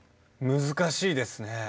難しいですね。